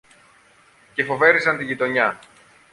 και φοβέριζαν τη γειτονιά.